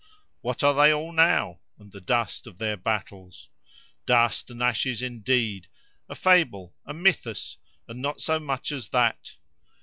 What are they all now, and the dust of their battles? Dust and ashes indeed; a fable, a mythus, or not so much as that.